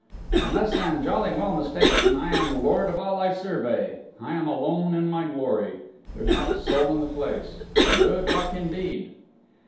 "Unless I am jolly well mistaken, I am lord of all I survey. I am alone in my glory! There's not a soul in the place! Good luck indeed!"